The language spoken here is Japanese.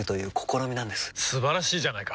素晴らしいじゃないか！